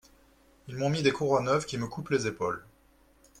Ils m’ont mis des courroies neuves qui me coupent les épaules.